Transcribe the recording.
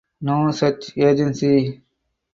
No such agency.